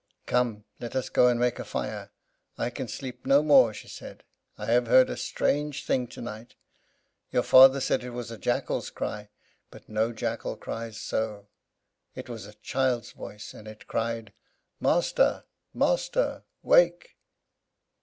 "Come, let us go and make a fire, I can sleep no more," she said; "I have heard a strange thing tonight. Your father said it was a jackal's cry, but no jackal cries so. It was a child's voice, and it cried, 'Master, master, wake!